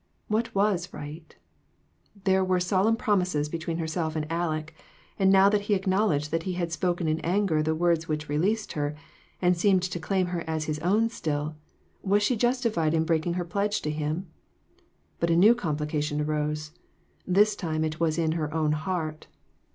What was right ? There were solemn promises between herself and , Aleck, and now that he acknowledged that he had spoken in anger the words which released her, and seemed to claim her as his own still, was she justified in breaking her pledge to him? But a new complication arose. This time it was in her own heart.